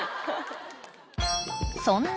［そんな］